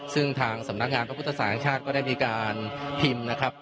ซึ่งทางสำนักงานพระพุทธศาสตร์แห่งชาติก็ได้มีการพิมพ์นะครับ